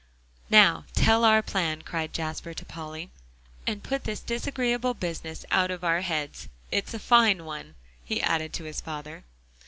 "Now tell our plan," cried Jasper to Polly, "and put this disagreeable business out of our heads. It's a fine one," he added to his father.